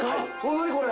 何これ。